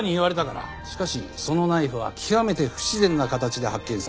しかしそのナイフは極めて不自然な形で発見され。